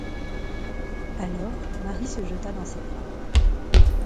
Alors, Marie se jeta dans ses bras.